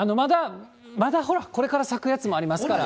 まだほら、これから咲くやつもありますから。